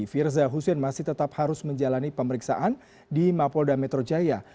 firza hussein masih tetap harus menjalani pemeriksaan di mapolda metro jaya